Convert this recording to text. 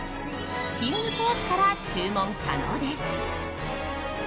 きんぐコースから注文可能です。